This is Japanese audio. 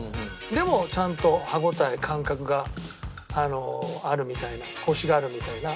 でもちゃんと歯応え感覚があるみたいなコシがあるみたいな。